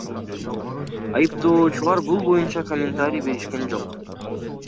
Айыптоочулар бул боюнча комментарий беришкен жок.